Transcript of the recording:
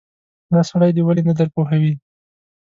دا سړی دې ولې نه درپوهوې.